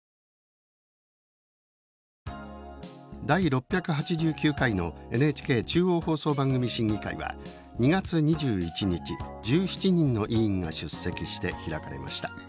第６８９回のＮＨＫ中央放送番組審議会は２月２１日１７人の委員が出席して開かれました。